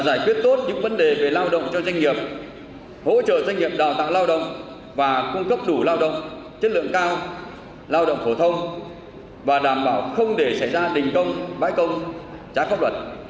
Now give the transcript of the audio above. giải quyết tốt những vấn đề về lao động cho doanh nghiệp hỗ trợ doanh nghiệp đào tạo lao động và cung cấp đủ lao động chất lượng cao lao động phổ thông và đảm bảo không để xảy ra đình công bãi công trá pháp luật